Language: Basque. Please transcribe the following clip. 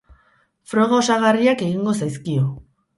Froga osagarriak egingo zaizkio.